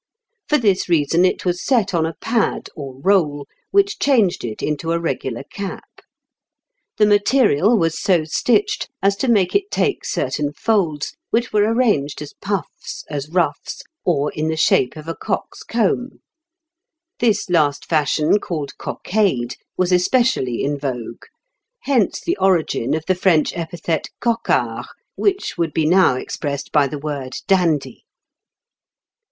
For this reason it was set on a pad or roll, which changed it into a regular cap. The material was so stitched as to make it take certain folds, which were arranged as puffs, as ruffs, or in the shape of a cock's comb; this last fashion, called cockade, was especially in vogue (Fig. 419) hence the origin of the French epithet coquard, which would be now expressed by the word dandy.